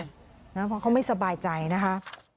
เพราะเขาไม่สบายใจนะคะ